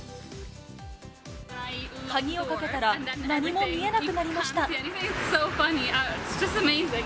鍵をかけたら、何も見えなくなりました。